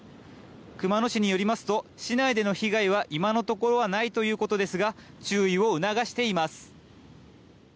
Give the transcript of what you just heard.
熊野市によりますと市内での被害は今のところはないということですが注意を促しています。